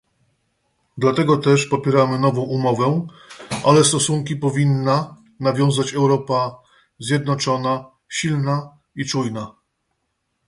Dlatego też popieramy nową umowę, ale stosunki powinna nawiązać Europa zjednoczona, silna i czujna